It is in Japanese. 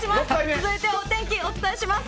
続いてはお天気、お伝えします。